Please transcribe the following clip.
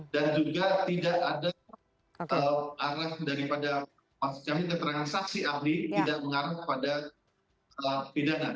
dan juga tidak ada arah daripada maksud kami keterangan saksi ahli tidak mengarah kepada pidana